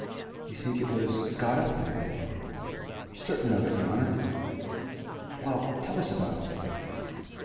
"You think it was got up, then?" "Certain of it, yer honour." "Well, tell us about it."